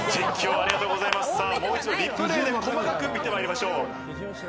もう一度、リプレイで細かく見てまいりましょう。